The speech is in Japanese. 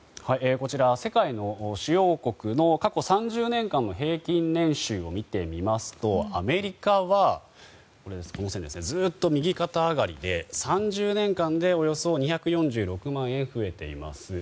こちら世界の主要国の過去３０年間の平均年収を見てみますとアメリカはずっと右肩上がりで３０年間でおよそ２４６万円増えています。